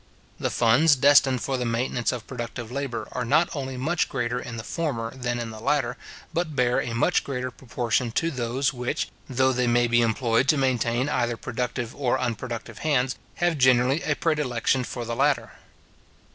The funds destined for the maintenance of productive labour are not only much greater in the former than in the latter, but bear a much greater proportion to those which, though they may be employed to maintain either productive or unproductive hands, have generally a predilection for the latter.